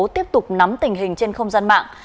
tiếp tục nắm tình hình trên không gian mạng